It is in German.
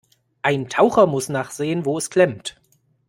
Ein Taucher muss nachsehen, wo es klemmt.